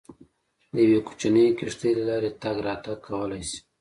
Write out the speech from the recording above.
د یوې کوچنۍ کښتۍ له لارې تګ راتګ کولای شي.